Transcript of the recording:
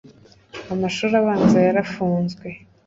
amashuri abanza yarafunzwe